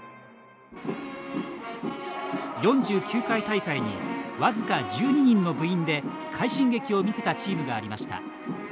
４９回大会に僅か１２人の部員で快進撃を見せたチームがありました。